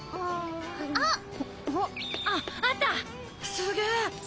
すげえ！